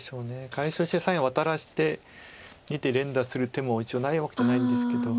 解消して左辺ワタらせて２手連打する手も一応ないわけではないんですけど。